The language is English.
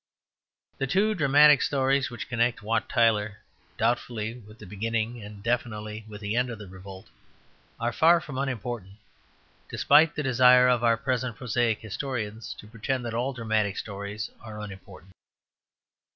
The two dramatic stories which connect Wat Tyler, doubtfully with the beginning, and definitely with the end of the revolt, are far from unimportant, despite the desire of our present prosaic historians to pretend that all dramatic stories are unimportant.